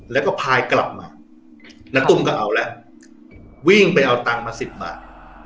แล้วก็พายกลับมาณตุ้มก็เอาแล้ววิ่งไปเอาตังค์มาสิบบาท